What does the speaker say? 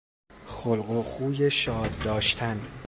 خلق و خوی شاد داشتن